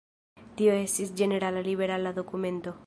Tio estis ĝenerala liberala dokumento.